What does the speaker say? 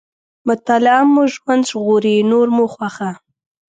مطالعه مو ژوند ژغوري، نور مو خوښه.